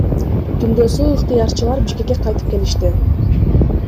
Түндөсү ыктыярчылар Бишкекке кайтып келишти.